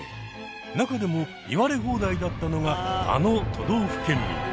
なかでも言われ放題だったのがあの都道府県民。